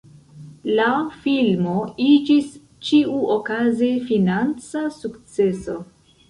La filmo iĝis ĉiuokaze financa sukceso.